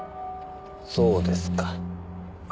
そうですか。